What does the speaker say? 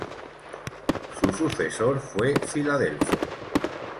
Su sucesor fue Filadelfo.